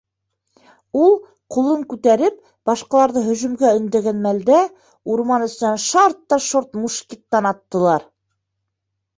Ул, ҡулын күтәреп, башҡаларҙы һөжүмгә өндәгән мәлдә урман эсенән шарт та шорт мушкеттан аттылар.